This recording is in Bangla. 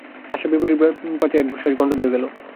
আশা বিহারীর পাতে একরাশ ঘন্ট দিয়া গেল।